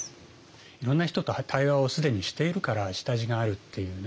いろんな人と対話を既にしているから下地があるっていうね